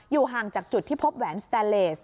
ห่างจากจุดที่พบแหวนสแตนเลส